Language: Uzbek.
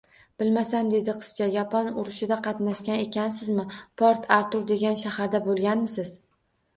— Bilmasam, — dedi qizcha. — Yapon urushida qatnashgan ekansizmi? Port-Artur degan shaharda bo‘lganmisiz?